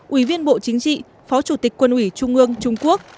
ủy viên bộ chính trị phó chủ tịch quân ủy trung ương trung quốc